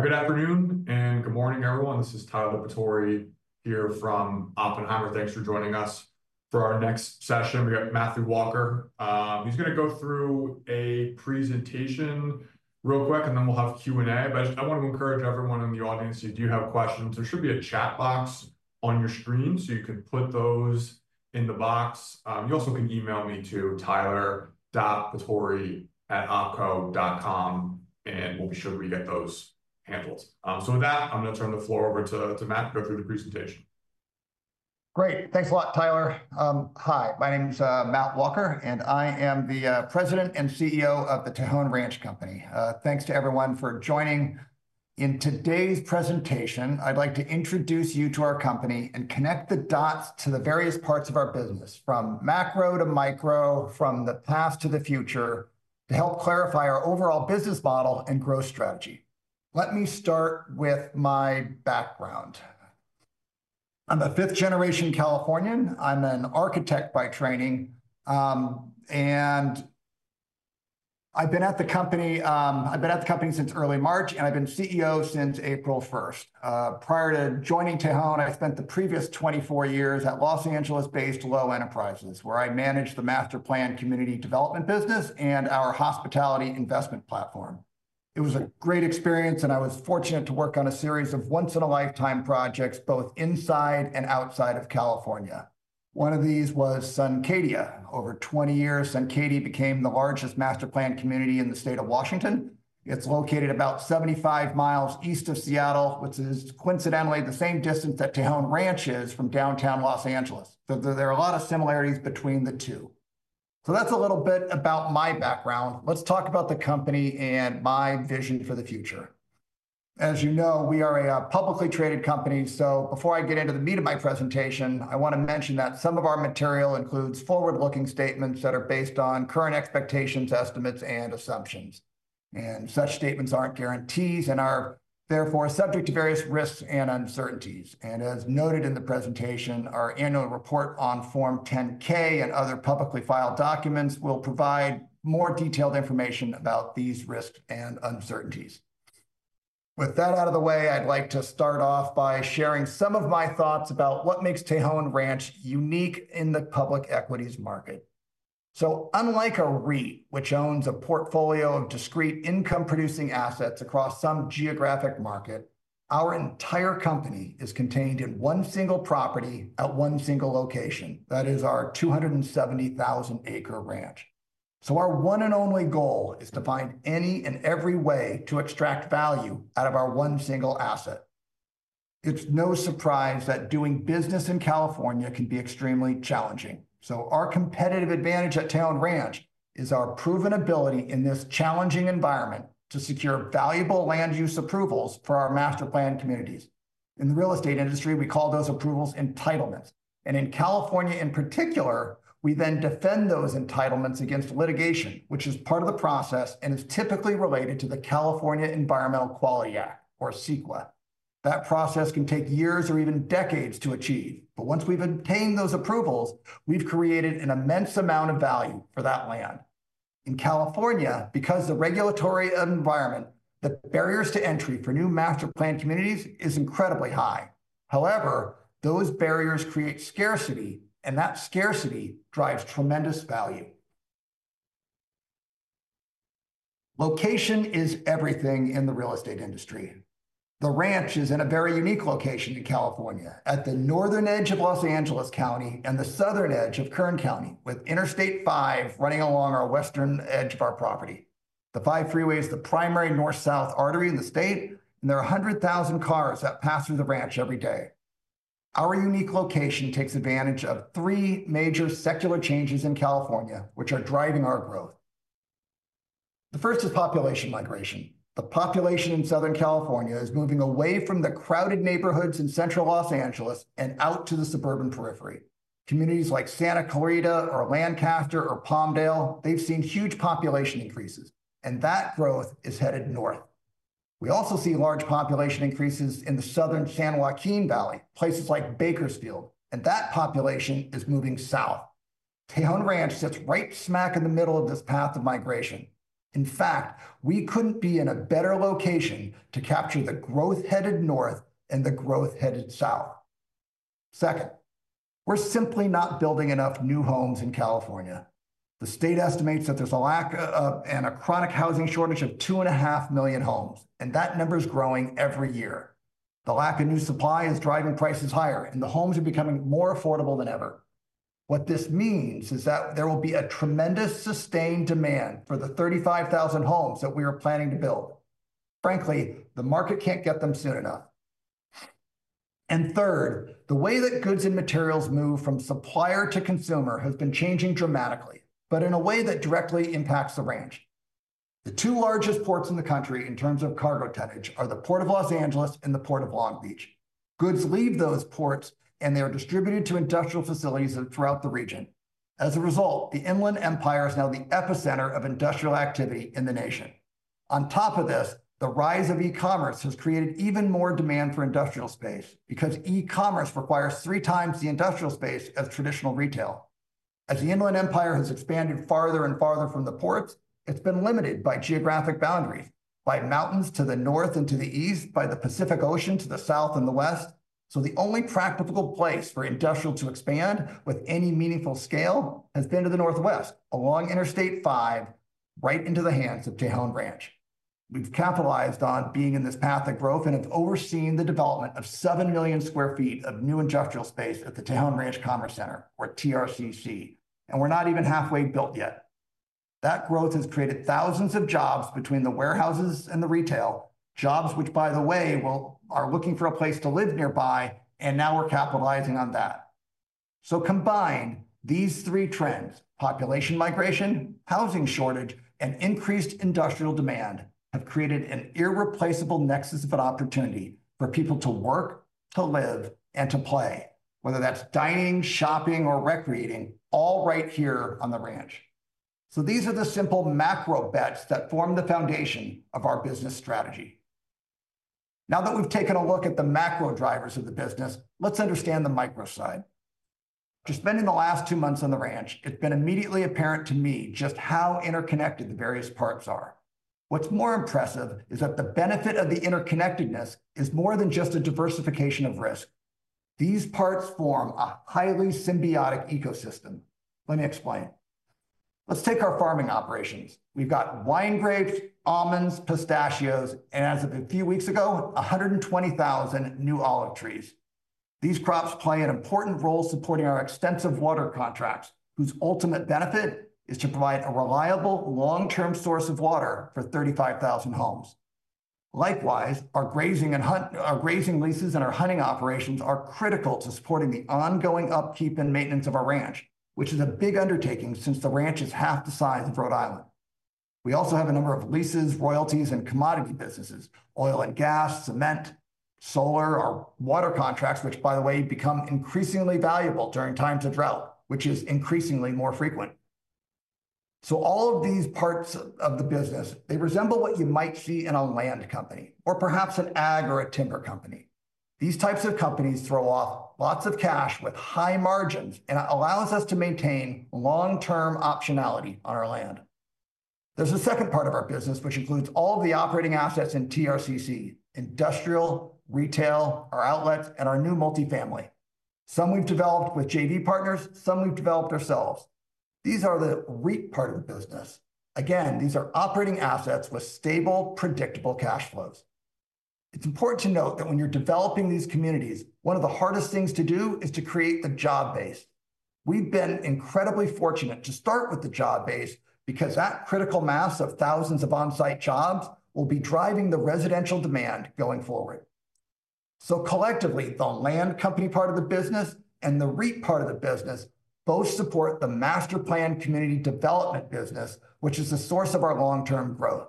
Good afternoon and good morning, everyone. This is Tyler Batory here from Oppenheimer. Thanks for joining us for our next session. We got Matt Walker. He's going to go through a presentation real quick, and then we'll have Q&A. I want to encourage everyone in the audience, if you do have questions, there should be a chat box on your screen, so you can put those in the box. You also can email me to Tyler.Batory@opco.com, and we'll be sure we get those handled. With that, I'm going to turn the floor over to Matt to go through the presentation. Great. Thanks a lot, Tyler. Hi, my name is Matt Walker, and I am the President and CEO of the Tejon Ranch Company. Thanks to everyone for joining. In today's presentation, I'd like to introduce you to our company and connect the dots to the various parts of our business, from macro to micro, from the past to the future, to help clarify our overall business model and growth strategy. Let me start with my background. I'm a fifth-generation Californian. I'm an architect by training. And I've been at the company since early March, and I've been CEO since April 1st. Prior to joining Tejon, I spent the previous 24 years at Los Angeles-based Low Enterprises, where I managed the Master Plan Community Development business and our hospitality investment platform. It was a great experience, and I was fortunate to work on a series of once-in-a-lifetime projects, both inside and outside of California. One of these was SunCadia. Over 20 years, SunCadia became the largest master plan community in the state of Washington. It's located about 75 miles east of Seattle, which is coincidentally the same distance that Tejon Ranch is from downtown Los Angeles. There are a lot of similarities between the two. That's a little bit about my background. Let's talk about the company and my vision for the future. As you know, we are a publicly traded company. Before I get into the meat of my presentation, I want to mention that some of our material includes forward-looking statements that are based on current expectations, estimates, and assumptions. Such statements aren't guarantees and are therefore subject to various risks and uncertainties. As noted in the presentation, our annual report on Form 10-K and other publicly filed documents will provide more detailed information about these risks and uncertainties. With that out of the way, I'd like to start off by sharing some of my thoughts about what makes Tejon Ranch unique in the public equities market. Unlike a REIT, which owns a portfolio of discrete income-producing assets across some geographic market, our entire company is contained in one single property at one single location. That is our 270,000-acre ranch. Our one and only goal is to find any and every way to extract value out of our one single asset. It's no surprise that doing business in California can be extremely challenging. Our competitive advantage at Tejon Ranch is our proven ability in this challenging environment to secure valuable land use approvals for our master plan communities. In the real estate industry, we call those approvals entitlements. In California in particular, we then defend those entitlements against litigation, which is part of the process and is typically related to the California Environmental Quality Act, or CEQA. That process can take years or even decades to achieve. Once we've obtained those approvals, we've created an immense amount of value for that land. In California, because of the regulatory environment, the barriers to entry for new master plan communities are incredibly high. However, those barriers create scarcity, and that scarcity drives tremendous value. Location is everything in the real estate industry. The ranch is in a very unique location in California at the northern edge of Los Angeles County and the southern edge of Kern County, with Interstate 5 running along our western edge of our property. The 5 freeway is the primary north-south artery in the state, and there are 100,000 cars that pass through the ranch every day. Our unique location takes advantage of three major secular changes in California, which are driving our growth. The first is population migration. The population in Southern California is moving away from the crowded neighborhoods in central Los Angeles and out to the suburban periphery. Communities like Santa Clarita or Lancaster or Palmdale, they've seen huge population increases, and that growth is headed north. We also see large population increases in the southern San Joaquin Valley, places like Bakersfield, and that population is moving south. Tejon Ranch sits right smack in the middle of this path of migration. In fact, we couldn't be in a better location to capture the growth headed north and the growth headed south. Second, we're simply not building enough new homes in California. The state estimates that there's a lack and a chronic housing shortage of 2.5 million homes, and that number is growing every year. The lack of new supply is driving prices higher, and the homes are becoming more affordable than ever. What this means is that there will be a tremendous sustained demand for the 35,000 homes that we are planning to build. Frankly, the market can't get them soon enough. Third, the way that goods and materials move from supplier to consumer has been changing dramatically, but in a way that directly impacts the ranch. The two largest ports in the country in terms of cargo tonnage are the Port of Los Angeles and the Port of Long Beach. Goods leave those ports, and they are distributed to industrial facilities throughout the region. As a result, the Inland Empire is now the epicenter of industrial activity in the nation. On top of this, the rise of e-commerce has created even more demand for industrial space because E-commerce requires three times the industrial space of traditional retail. As the Inland Empire has expanded farther and farther from the ports, it's been limited by geographic boundaries, by mountains to the north and to the east, by the Pacific Ocean to the south and the west. The only practical place for industrial to expand with any meaningful scale has been to the northwest, along Interstate 5, right into the hands of Tejon Ranch. We've capitalized on being in this path of growth and have overseen the development of 7 million sq ft of new industrial space at the Tejon Ranch Commerce Center, or TRCC, and we're not even halfway built yet. That growth has created thousands of jobs between the warehouses and the retail, jobs which, by the way, are looking for a place to live nearby, and now we're capitalizing on that. Combined, these three trends, population migration, housing shortage, and increased industrial demand have created an irreplaceable nexus of opportunity for people to work, to live, and to play, whether that's dining, shopping, or recreating, all right here on the ranch. These are the simple macro bets that form the foundation of our business strategy. Now that we've taken a look at the macro drivers of the business, let's understand the micro side. Just spending the last two months on the ranch, it's been immediately apparent to me just how interconnected the various parts are. What's more impressive is that the benefit of the interconnectedness is more than just a diversification of risk. These parts form a highly symbiotic ecosystem. Let me explain. Let's take our farming operations. We've got wine grapes, almonds, pistachios, and as of a few weeks ago, 120,000 new olive trees. These crops play an important role supporting our extensive water contracts, whose ultimate benefit is to provide a reliable long-term source of water for 35,000 homes. Likewise, our grazing leases and our hunting operations are critical to supporting the ongoing upkeep and maintenance of our ranch, which is a big undertaking since the ranch is half the size of Rhode Island. We also have a number of leases, royalties, and commodity businesses, oil and gas, cement, solar, our water contracts, which, by the way, become increasingly valuable during times of drought, which is increasingly more frequent. All of these parts of the business, they resemble what you might see in a land company or perhaps an ag or a timber company. These types of companies throw off lots of cash with high margins and allow us to maintain long-term optionality on our land. There is a second part of our business, which includes all of the operating assets in TRCC, industrial, retail, our outlets, and our new multifamily. Some we have developed with JD Partners, some we have developed ourselves. These are the REIT part of the business. Again, these are operating assets with stable, predictable cash flows. It is important to note that when you are developing these communities, one of the hardest things to do is to create the job base. We have been incredibly fortunate to start with the job base because that critical mass of thousands of on-site jobs will be driving the residential demand going forward. Collectively, the land company part of the business and the REIT part of the business both support the master plan community development business, which is the source of our long-term growth.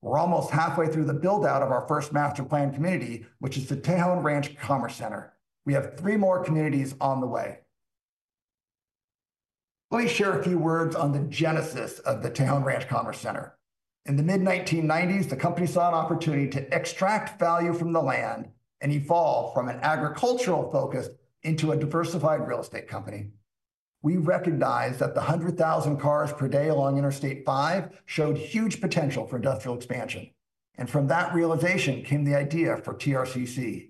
We're almost halfway through the build-out of our first master plan community, which is the Tejon Ranch Commerce Center. We have three more communities on the way. Let me share a few words on the genesis of the Tejon Ranch Commerce Center. In the mid-1990s, the company saw an opportunity to extract value from the land and evolve from an agricultural focus into a diversified real estate company. We recognized that the 100,000 cars per day along Interstate 5 showed huge potential for industrial expansion. From that realization came the idea for TRCC.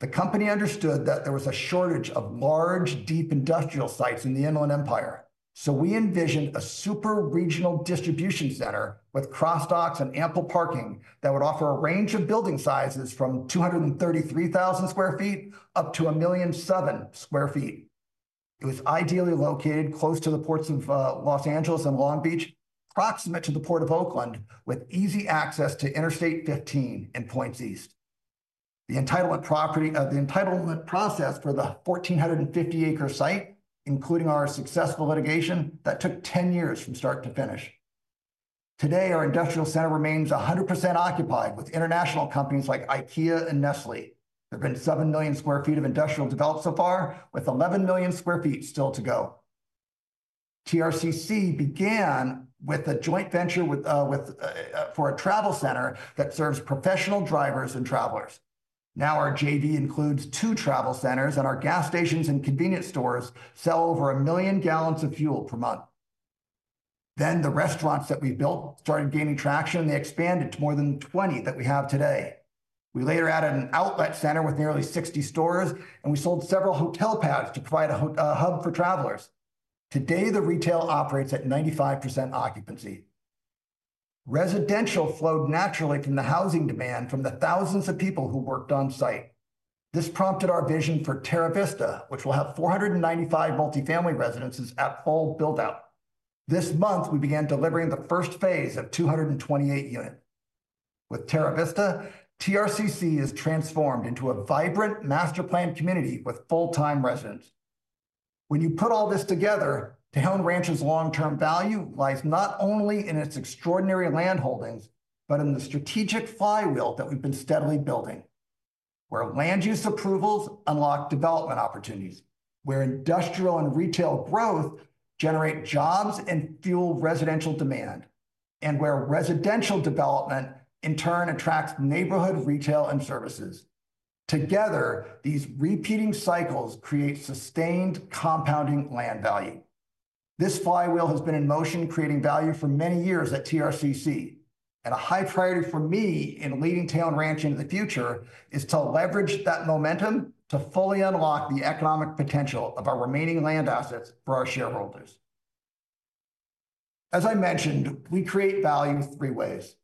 The company understood that there was a shortage of large, deep industrial sites in the Inland Empire. We envisioned a super regional distribution center with cross docks and ample parking that would offer a range of building sizes from 233,000 sq ft up to 1,700,000 sq ft. It was ideally located close to the ports of Los Angeles and Long Beach, proximate to the Port of Oakland, with easy access to Interstate 15 and points east. The entitlement process for the 1,450-acre site, including our successful litigation, took 10 years from start to finish. Today, our industrial center remains 100% occupied with international companies like IKEA and Nestlé. There have been 7 million sq ft of industrial developed so far, with 11 million sq ft still to go. TRCC began with a joint venture for a travel center that serves professional drivers and travelers. Now our JV includes two travel centers, and our gas stations and convenience stores sell over a million gallons of fuel per month. The restaurants that we built started gaining traction, and they expanded to more than 20 that we have today. We later added an outlet center with nearly 60 stores, and we sold several hotel pads to provide a hub for travelers. Today, the retail operates at 95% occupancy. Residential flowed naturally from the housing demand from the thousands of people who worked on site. This prompted our vision for Terra Vista, which will have 495 multifamily residences at full build-out. This month, we began delivering the first phase of 228 units. With Terra Vista, TRCC is transformed into a vibrant master plan community with full-time residents. When you put all this together, Tejon Ranch's long-term value lies not only in its extraordinary land holdings, but in the strategic flywheel that we've been steadily building, where land use approvals unlock development opportunities, where industrial and retail growth generate jobs and fuel residential demand, and where residential development, in turn, attracts neighborhood retail and services. Together, these repeating cycles create sustained compounding land value. This flywheel has been in motion, creating value for many years at TRCC. A high priority for me in leading Tejon Ranch into the future is to leverage that momentum to fully unlock the economic potential of our remaining land assets for our shareholders. As I mentioned, we create value three ways.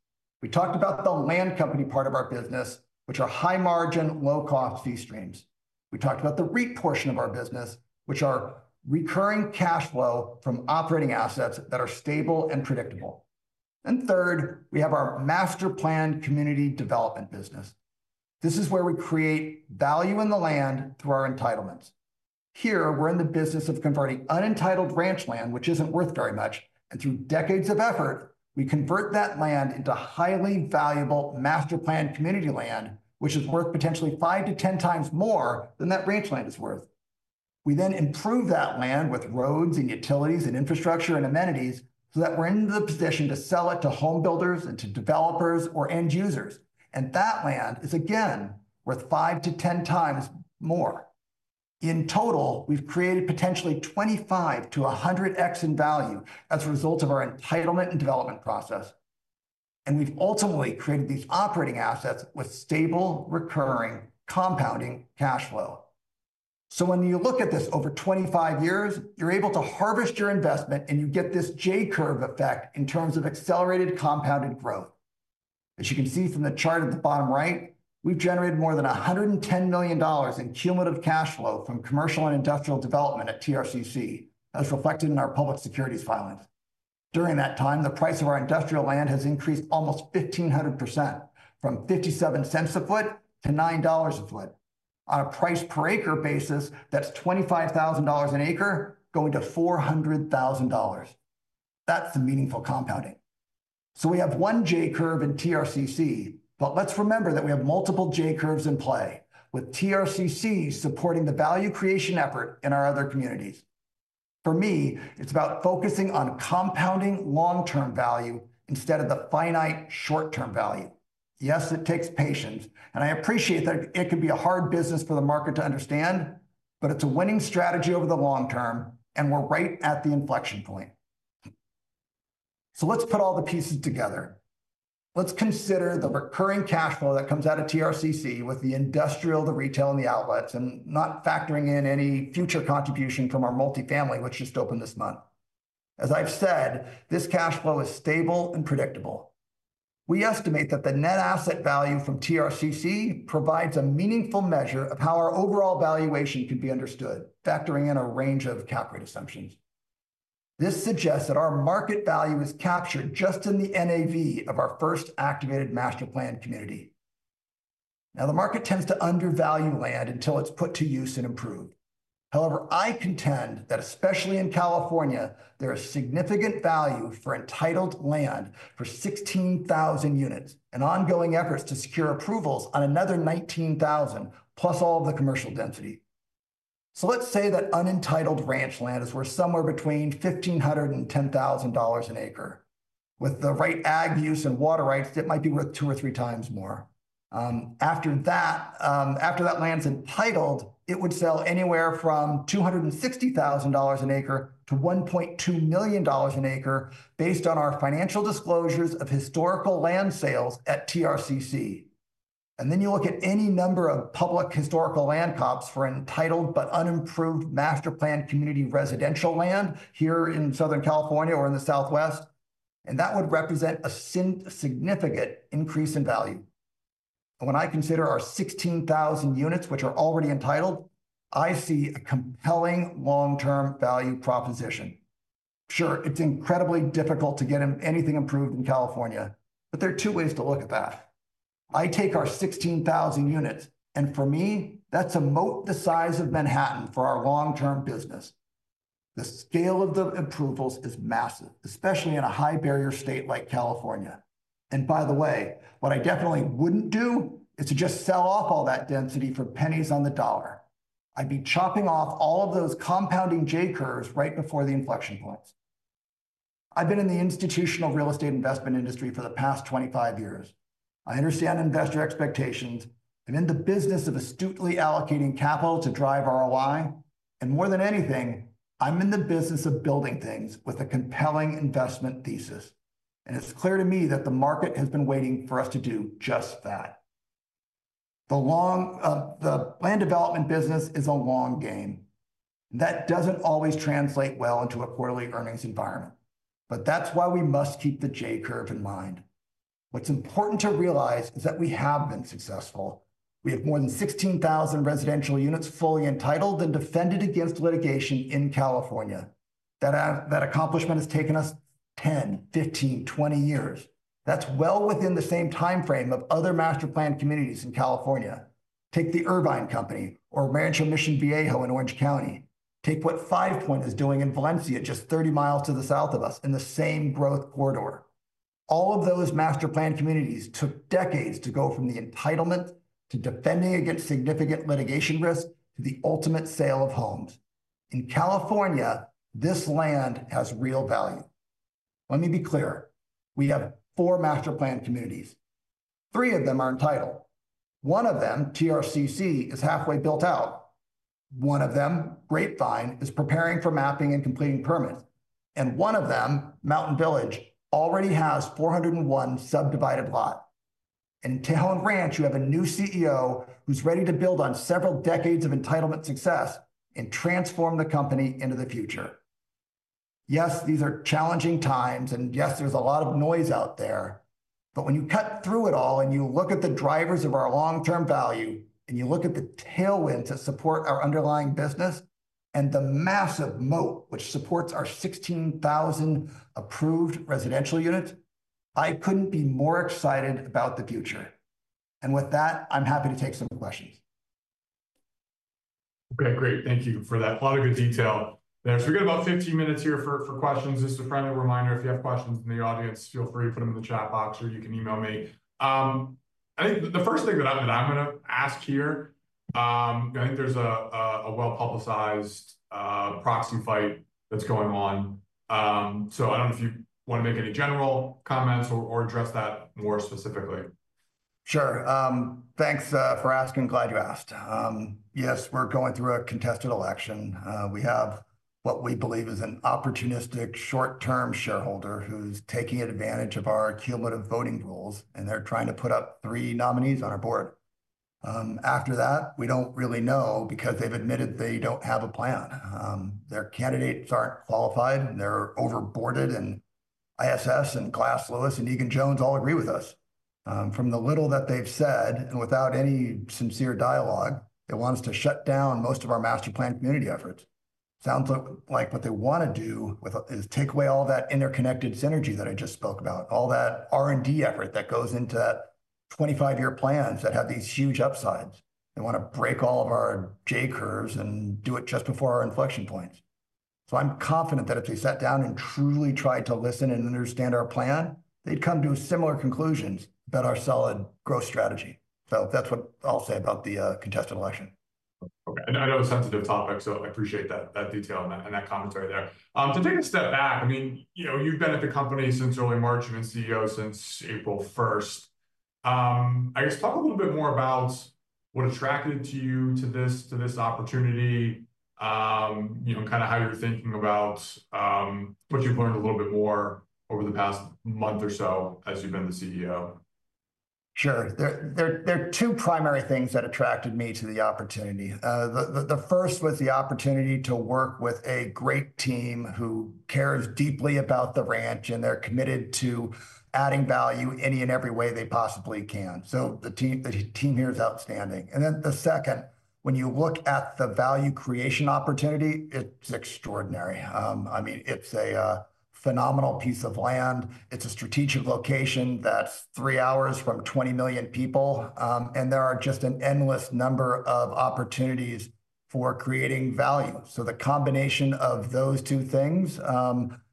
We talked about the land company part of our business, which are high-margin, low-cost fee streams. We talked about the REIT portion of our business, which are recurring cash flow from operating assets that are stable and predictable. Third, we have our master plan community development business. This is where we create value in the land through our entitlements. Here, we're in the business of converting unentitled ranch land, which isn't worth very much. Through decades of effort, we convert that land into highly valuable master plan community land, which is worth potentially 5-10 times more than that ranch land is worth. We then improve that land with roads and utilities and infrastructure and amenities so that we're in the position to sell it to home builders and to developers or end users. That land is again worth 5-10 times more. In total, we've created potentially 25-100x in value as a result of our entitlement and development process. And we've ultimately created these operating assets with stable, recurring, compounding cash flow. When you look at this over 25 years, you're able to harvest your investment, and you get this J curve effect in terms of accelerated compounded growth. As you can see from the chart at the bottom right, we've generated more than $110 million in cumulative cash flow from commercial and industrial development at TRCC, as reflected in our public securities filings. During that time, the price of our industrial land has increased almost 1,500% from $0.57 a sq ft to $9 a sq ft. On a price per acre basis, that's $25,000 an acre going to $400,000. That's the meaningful compounding. We have one J curve in TRCC, but let's remember that we have multiple J curves in play, with TRCC supporting the value creation effort in our other communities. For me, it's about focusing on compounding long-term value instead of the finite short-term value. Yes, it takes patience, and I appreciate that it can be a hard business for the market to understand, but it's a winning strategy over the long term, and we're right at the inflection point. Let's put all the pieces together. Let's consider the recurring cash flow that comes out of TRCC with the industrial, the retail, and the outlets, and not factoring in any future contribution from our multifamily, which just opened this month. As I've said, this cash flow is stable and predictable. We estimate that the net asset value from TRCC provides a meaningful measure of how our overall valuation can be understood, factoring in a range of calculated assumptions. This suggests that our market value is captured just in the NAV of our first activated master plan community. Now, the market tends to undervalue land until it's put to use and improved. However, I contend that especially in California, there is significant value for entitled land for 16,000 units and ongoing efforts to secure approvals on another 19,000, plus all of the commercial density. Let's say that unentitled ranch land is worth somewhere between $1,500-$10,000 an acre. With the right ag use and water rights, it might be worth two or three times more. After that, after that land's entitled, it would sell anywhere from $260,000 an acre to $1.2 million an acre based on our financial disclosures of historical land sales at TRCC. You look at any number of public historical land comps for entitled but unimproved master plan community residential land here in Southern California or in the Southwest, and that would represent a significant increase in value. When I consider our 16,000 units, which are already entitled, I see a compelling long-term value proposition. Sure, it's incredibly difficult to get anything improved in California, but there are two ways to look at that. I take our 16,000 units, and for me, that's a moat the size of Manhattan for our long-term business. The scale of the approvals is massive, especially in a high-barrier state like California. By the way, what I definitely wouldn't do is to just sell off all that density for pennies on the dollar. I'd be chopping off all of those compounding J curves right before the inflection points. I've been in the institutional real estate investment industry for the past 25 years. I understand investor expectations. I'm in the business of astutely allocating capital to drive ROI. More than anything, I'm in the business of building things with a compelling investment thesis. It's clear to me that the market has been waiting for us to do just that. The land development business is a long game. That doesn't always translate well into a quarterly earnings environment. That's why we must keep the J curve in mind. What's important to realize is that we have been successful. We have more than 16,000 residential units fully entitled and defended against litigation in California. That accomplishment has taken us 10, 15, 20 years. That is well within the same timeframe of other master plan communities in California. Take the Irvine Company or Rancho Mission Viejo in Orange County. Take what Five Point is doing in Valencia, just 30 mi to the south of us in the same growth corridor. All of those master plan communities took decades to go from the entitlement to defending against significant litigation risk to the ultimate sale of homes. In California, this land has real value. Let me be clear. We have four master plan communities. Three of them are entitled. One of them, TRCC, is halfway built out. One of them, Grapevine, is preparing for mapping and completing permits. And one of them, Mountain Village, already has 401 subdivided lots. In Tejon Ranch, you have a new CEO who's ready to build on several decades of entitlement success and transform the company into the future. Yes, these are challenging times, and yes, there's a lot of noise out there. When you cut through it all and you look at the drivers of our long-term value and you look at the tailwinds that support our underlying business and the massive moat which supports our 16,000 approved residential units, I could not be more excited about the future. With that, I'm happy to take some questions. Okay, great. Thank you for that. A lot of good detail there. We have about 15 minutes here for questions. Just a friendly reminder, if you have questions in the audience, feel free to put them in the chat box or you can email me. I think the first thing that I'm going to ask here, I think there's a well-publicized proxy fight that's going on. I don't know if you want to make any general comments or address that more specifically. Sure. Thanks for asking. Glad you asked. Yes, we're going through a contested election. We have what we believe is an opportunistic short-term shareholder who's taking advantage of our cumulative voting rules, and they're trying to put up three nominees on our board. After that, we don't really know because they've admitted they don't have a plan. Their candidates aren't qualified. They're overboarded, and ISS and Glass Lewis and Egan Jones all agree with us. From the little that they've said, and without any sincere dialogue, it wants to shut down most of our master plan community efforts. Sounds like what they want to do is take away all that interconnected synergy that I just spoke about, all that R&D effort that goes into 25-year plans that have these huge upsides. They want to break all of our J curves and do it just before our inflection points. I am confident that if they sat down and truly tried to listen and understand our plan, they would come to similar conclusions about our solid growth strategy. That is what I will say about the contested election. Okay. I know it is a sensitive topic, so I appreciate that detail and that commentary there. To take a step back, I mean, you have been at the company since early March. You have been CEO since April 1st. I guess talk a little bit more about what attracted you to this opportunity, kind of how you're thinking about what you've learned a little bit more over the past month or so as you've been the CEO? Sure. There are two primary things that attracted me to the opportunity. The first was the opportunity to work with a great team who cares deeply about the ranch, and they're committed to adding value any and every way they possibly can. The team here is outstanding. The second, when you look at the value creation opportunity, it's extraordinary. I mean, it's a phenomenal piece of land. It's a strategic location that's three hours from 20 million people, and there are just an endless number of opportunities for creating value. The combination of those two things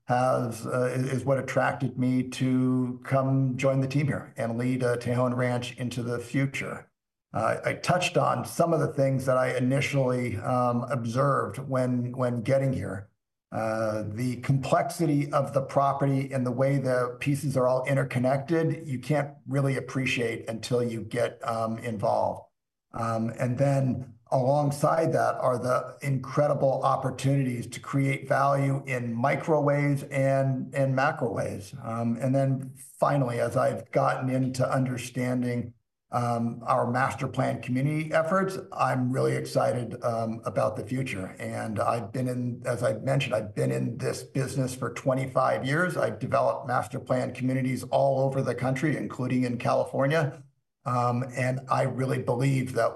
is what attracted me to come join the team here and lead Tejon Ranch into the future. I touched on some of the things that I initially observed when getting here. The complexity of the property and the way the pieces are all interconnected, you cannot really appreciate until you get involved. Alongside that are the incredible opportunities to create value in micro ways and macro ways. Finally, as I have gotten into understanding our master plan community efforts, I am really excited about the future. As I mentioned, I have been in this business for 25 years. I have developed master plan communities all over the country, including in California. I really believe that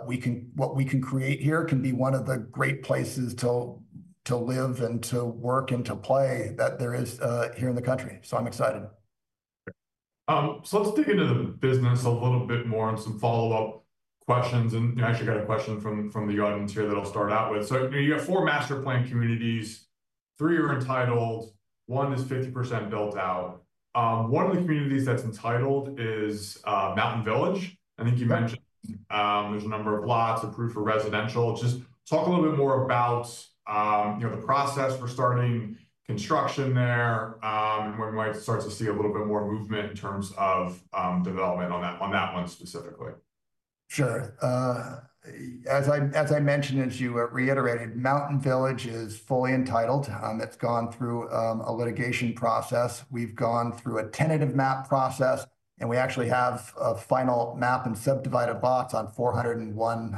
what we can create here can be one of the great places to live and to work and to play that there is here in the country. I'm excited. Let's dig into the business a little bit more and some follow-up questions. I actually got a question from the audience here that I'll start out with. You have four master plan communities. Three are entitled. One is 50% built out. One of the communities that's entitled is Mountain Village. I think you mentioned there's a number of lots approved for residential. Just talk a little bit more about the process for starting construction there and when we might start to see a little bit more movement in terms of development on that one specifically. Sure. As I mentioned, as you reiterated, Mountain Village is fully entitled. It's gone through a litigation process. We've gone through a tentative map process, and we actually have a final map and subdivided lots on 401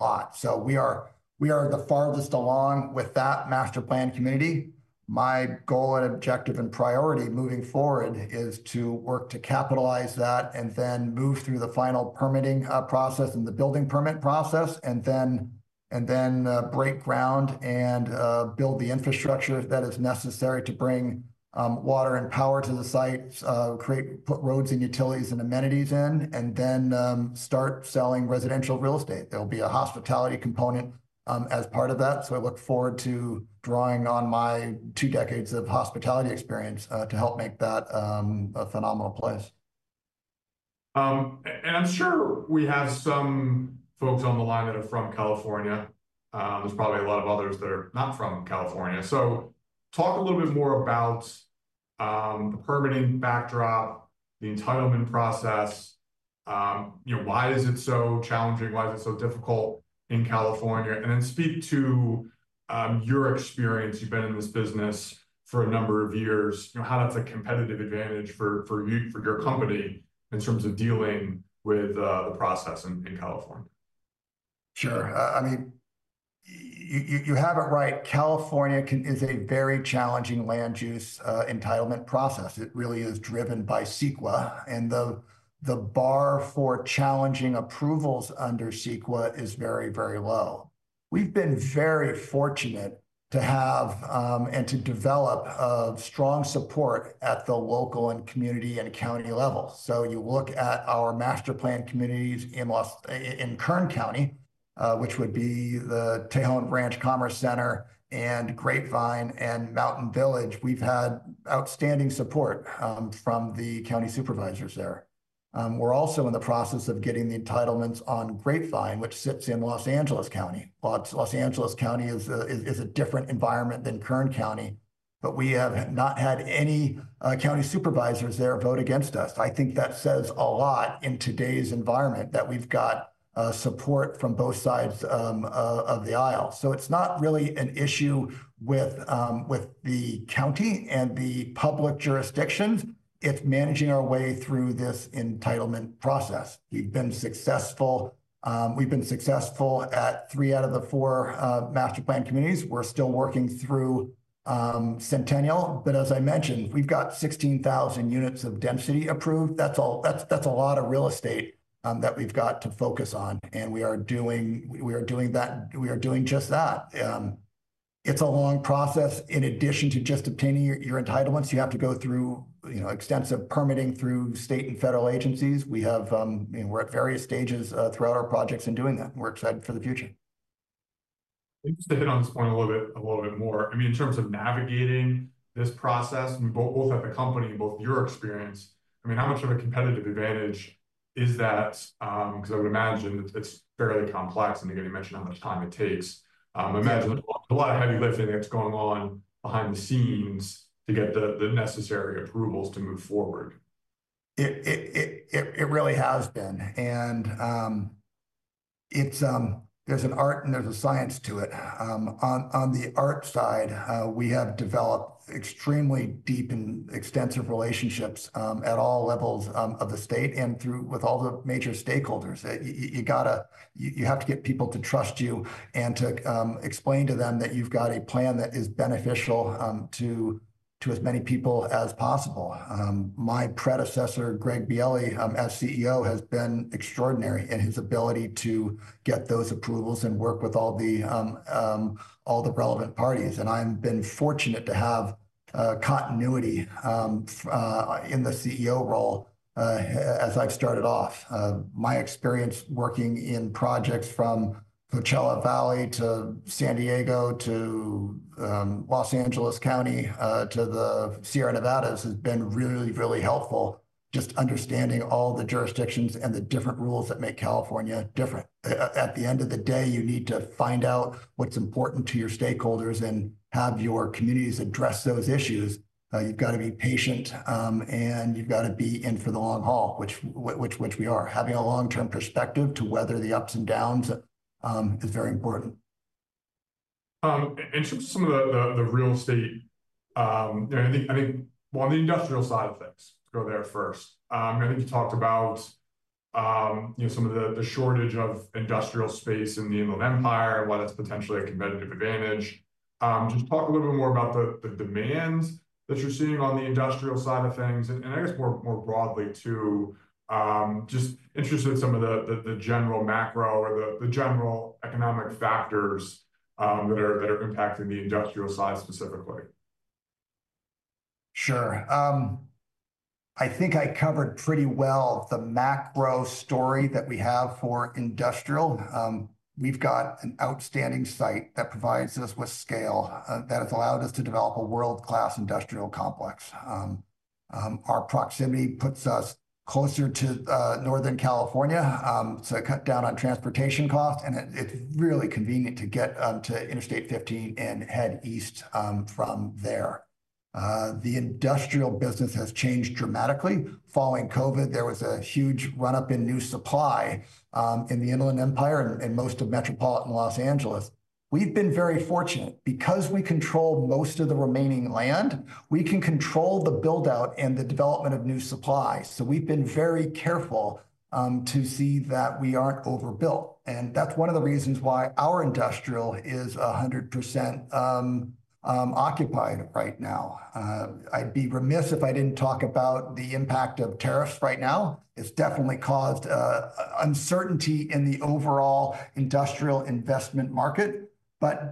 lots. We are the farthest along with that master plan community. My goal and objective and priority moving forward is to work to capitalize that and then move through the final permitting process and the building permit process, and then break ground and build the infrastructure that is necessary to bring water and power to the sites, put roads and utilities and amenities in, and then start selling residential real estate. There will be a hospitality component as part of that. I look forward to drawing on my two decades of hospitality experience to help make that a phenomenal place. I'm sure we have some folks on the line that are from California. There's probably a lot of others that are not from California. Talk a little bit more about the permitting backdrop, the entitlement process. Why is it so challenging? Why is it so difficult in California? Speak to your experience. You've been in this business for a number of years. How that's a competitive advantage for your company in terms of dealing with the process in California. Sure. I mean, you have it right. California is a very challenging land use entitlement process. It really is driven by CEQA, and the bar for challenging approvals under CEQA is very, very low. We've been very fortunate to have and to develop strong support at the local and community and county level. You look at our master plan communities in Kern County, which would be the Tejon Ranch Commerce Center and Grapevine and Mountain Village. We've had outstanding support from the county supervisors there. We're also in the process of getting the entitlements on Grapevine, which sits in Los Angeles County. Los Angeles County is a different environment than Kern County, but we have not had any county supervisors there vote against us. I think that says a lot in today's environment that we've got support from both sides of the aisle. It is not really an issue with the county and the public jurisdictions. It is managing our way through this entitlement process. We've been successful. We've been successful at three out of the four master plan communities. We're still working through Centennial. As I mentioned, we've got 16,000 units of density approved. That is a lot of real estate that we've got to focus on. We are doing that. We are doing just that. It is a long process. In addition to just obtaining your entitlements, you have to go through extensive permitting through state and federal agencies. We're at various stages throughout our projects in doing that. We're excited for the future. Let me just dip in on this point a little bit more. I mean, in terms of navigating this process, both at the company and both your experience, I mean, how much of a competitive advantage is that? Because I would imagine it's fairly complex. Again, you mentioned how much time it takes. I imagine there's a lot of heavy lifting that's going on behind the scenes to get the necessary approvals to move forward. It really has been. There's an art and there's a science to it. On the art side, we have developed extremely deep and extensive relationships at all levels of the state and with all the major stakeholders. You have to get people to trust you and to explain to them that you've got a plan that is beneficial to as many people as possible. My predecessor, Greg Bielli, as CEO, has been extraordinary in his ability to get those approvals and work with all the relevant parties. I've been fortunate to have continuity in the CEO role as I've started off. My experience working in projects from Coachella Valley to San Diego to Los Angeles County to the Sierra Nevadas has been really, really helpful. Just understanding all the jurisdictions and the different rules that make California different. At the end of the day, you need to find out what's important to your stakeholders and have your communities address those issues. You've got to be patient, and you've got to be in for the long haul, which we are. Having a long-term perspective to weather the ups and downs is very important. In terms of some of the real estate, I think, on the industrial side of things, go there first. I think you talked about some of the shortage of industrial space in the Inland Empire and why that is potentially a competitive advantage. Just talk a little bit more about the demands that you are seeing on the industrial side of things. I guess more broadly, too, just interested in some of the general macro or the general economic factors that are impacting the industrial side specifically? Sure. I think I covered pretty well the macro story that we have for industrial. We have got an outstanding site that provides us with scale that has allowed us to develop a world-class industrial complex. Our proximity puts us closer to Northern California. It's a cut down on transportation cost, and it's really convenient to get onto Interstate 15 and head east from there. The industrial business has changed dramatically. Following COVID, there was a huge run-up in new supply in the Inland Empire and most of metropolitan Los Angeles. We've been very fortunate because we control most of the remaining land. We can control the build-out and the development of new supply. We've been very careful to see that we aren't overbuilt. That's one of the reasons why our industrial is 100% occupied right now. I'd be remiss if I didn't talk about the impact of tariffs right now. It's definitely caused uncertainty in the overall industrial investment market.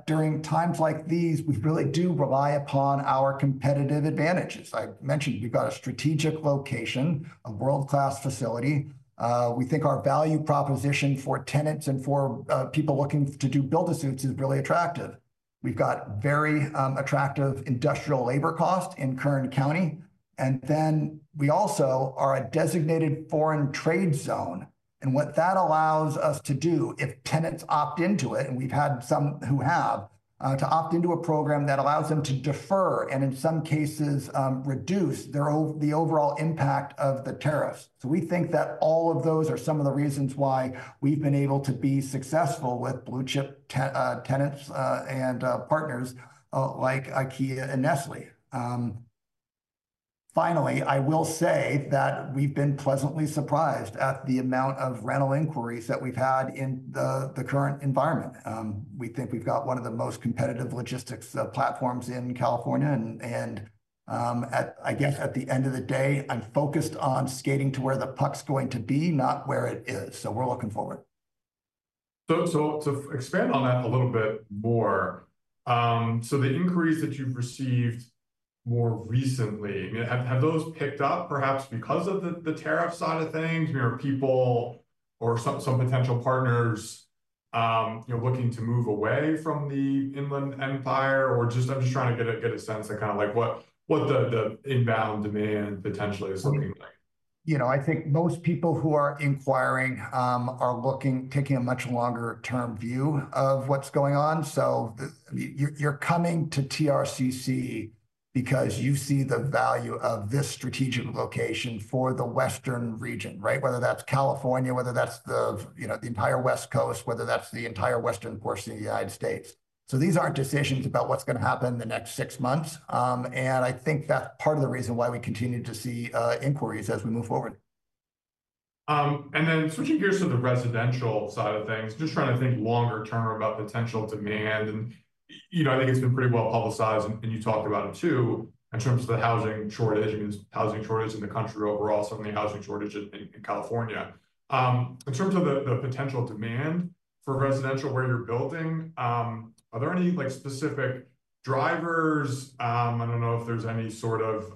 During times like these, we really do rely upon our competitive advantages. I mentioned we've got a strategic location, a world-class facility. We think our value proposition for tenants and for people looking to do build-assistance is really attractive. We have very attractive industrial labor costs in Kern County. We also are a designated foreign trade zone. What that allows us to do, if tenants opt into it, and we have had some who have, is to opt into a program that allows them to defer and in some cases reduce the overall impact of the tariffs. We think that all of those are some of the reasons why we have been able to be successful with blue-chip tenants and partners like IKEA and Nestlé. Finally, I will say that we have been pleasantly surprised at the amount of rental inquiries that we have had in the current environment. We think we have one of the most competitive logistics platforms in California. I guess at the end of the day, I'm focused on skating to where the puck's going to be, not where it is. We're looking forward. To expand on that a little bit more, the inquiries that you've received more recently, have those picked up perhaps because of the tariff side of things? Are people or some potential partners looking to move away from the Inland Empire? I'm just trying to get a sense of kind of what the inbound demand potentially is looking like. I think most people who are inquiring are taking a much longer-term view of what's going on. You're coming to TRCC because you see the value of this strategic location for the Western region, right? Whether that's California, whether that's the entire West Coast, whether that's the entire western portion of the United States. These aren't decisions about what's going to happen in the next six months. I think that's part of the reason why we continue to see inquiries as we move forward. Switching gears to the residential side of things, just trying to think longer-term about potential demand. I think it's been pretty well publicized, and you talked about it too, in terms of the housing shortage, housing shortage in the country overall, certainly housing shortage in California. In terms of the potential demand for residential where you're building, are there any specific drivers? I don't know if there's any sort of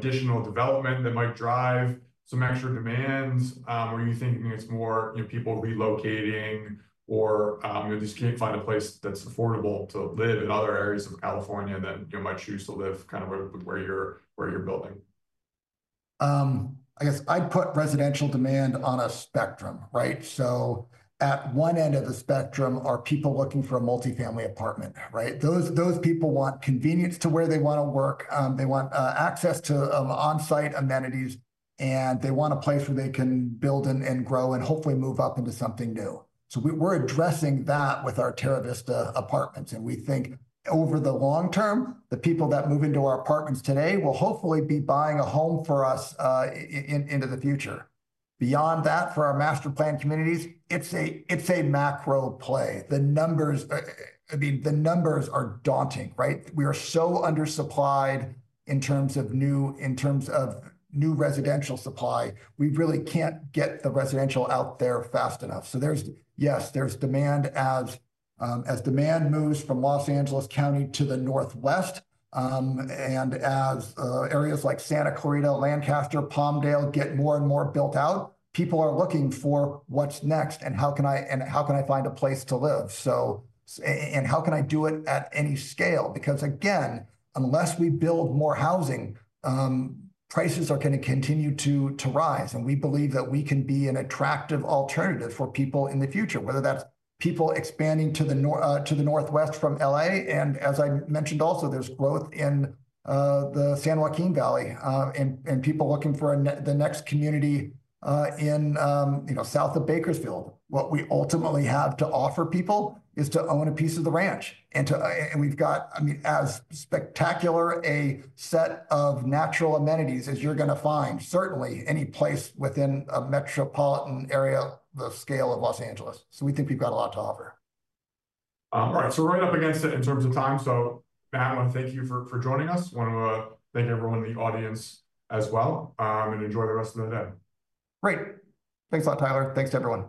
additional development that might drive some extra demands. Are you thinking it's more people relocating or just can't find a place that's affordable to live in other areas of California that might choose to live kind of where you're building? I guess I'd put residential demand on a spectrum, right? At one end of the spectrum are people looking for a multifamily apartment, right? Those people want convenience to where they want to work. They want access to on-site amenities, and they want a place where they can build and grow and hopefully move up into something new. We're addressing that with our Terra Vista apartments. We think over the long term, the people that move into our apartments today will hopefully be buying a home from us into the future. Beyond that, for our master plan communities, it's a macro play. I mean, the numbers are daunting, right? We are so undersupplied in terms of new residential supply. We really can't get the residential out there fast enough. Yes, there's demand as demand moves from Los Angeles County to the northwest and as areas like Santa Clarita, Lancaster, Palmdale get more and more built out, people are looking for what's next and how can I find a place to live? How can I do it at any scale? Because again, unless we build more housing, prices are going to continue to rise. We believe that we can be an attractive alternative for people in the future, whether that's people expanding to the northwest from LA. As I mentioned also, there's growth in the San Joaquin Valley and people looking for the next community in south of Bakersfield. What we ultimately have to offer people is to own a piece of the ranch. We have, I mean, as spectacular a set of natural amenities as you are going to find, certainly any place within a metropolitan area of the scale of Los Angeles. We think we have a lot to offer. All right. We are right up against it in terms of time. Matt, I want to thank you for joining us. I want to thank everyone in the audience as well and enjoy the rest of the day. Great. Thanks a lot, Tyler. Thanks to everyone.